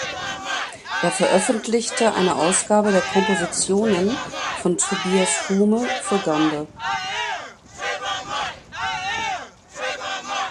Er veröffentlichte eine Ausgabe der Kompositionen von Tobias Hume für Gambe.